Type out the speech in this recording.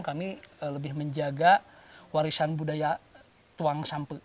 kami lebih menjaga warisan budaya tuang sampe